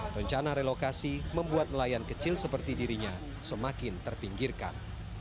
rencana relokasi membuat nelayan kecil seperti dirinya semakin terpinggirkan